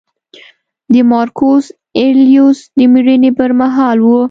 د مارکوس اریلیوس د مړینې پرمهال و